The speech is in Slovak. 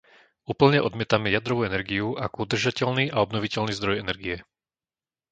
Úplne odmietame jadrovú energiu ako udržateľný a obnoviteľný zdroj energie.